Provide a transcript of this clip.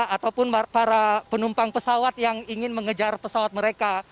ataupun para penumpang pesawat yang ingin mengejar pesawat mereka